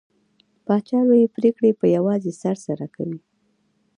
پاچا لوې پرېکړې په يوازې سر سره کوي .